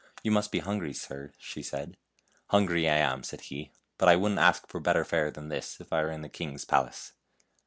" You must be hungry, sir," she said. " Hungry I am," said he ;" but I wouldn't ask for better fare than this if I were in the king's palace."